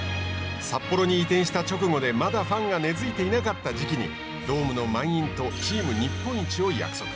札幌に移転した直後でまだファンが根づいていなかった時期に「ドームの満員」と「チーム日本一」を約束。